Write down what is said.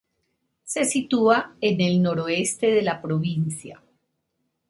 Se sitúa en el noroeste de la provincia.